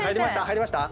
入りました？